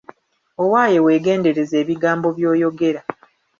Owaaye weegendereze ebigambo by'oyogera.